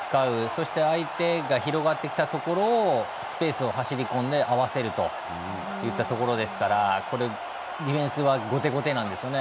そして相手が広がってきたところをスペースを走り込んで合わせるといったところですからディフェンスは後手後手なんですよね。